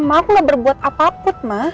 ma aku gak berbuat apapun ma